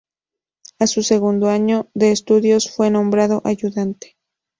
A su segundo año de estudios fue nombrado ayudante.